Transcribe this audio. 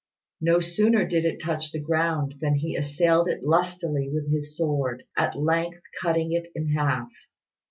No sooner did it touch the ground than he assailed it lustily with his sword, at length cutting it in half.